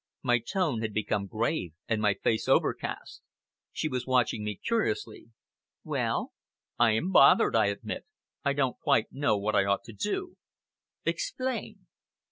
My tone had become grave, and my face overcast. She was watching me curiously. "Well!" "I am bothered," I admitted. "I don't quite know what I ought to do!" "Explain!"